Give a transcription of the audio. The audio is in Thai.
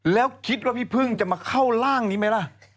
แล้วคิดว่าพี่พึ่งจะมาเข้าร่างนี้ไหมล่ะ